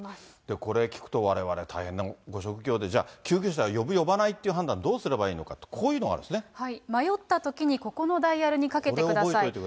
これ聞くと、われわれ大変なご職業で、救急車呼ぶ呼ばないという判断、どうすればいいのかと、こういう迷ったときにここのダイヤルこれ、覚えてください。